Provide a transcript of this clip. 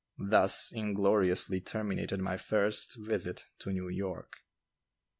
Thus ingloriously terminated my first visit to New York.